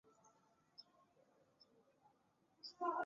现任校长高海燕。